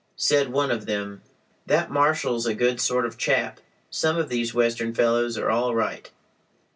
Said one of them: "That marshal's a good sort of chap. Some of these Western fellows are all right."